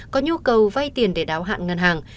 có nhu cầu vay tiền để đáo hạn ngân hàng